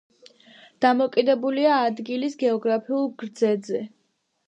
დამოკიდებულია ადგილის გეოგრაფიულ გრძედზე.